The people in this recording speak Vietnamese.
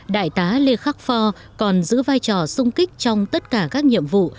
đại tá lê khắc pho còn giữ vai trò sung kích trong tất cả các nhiệm vụ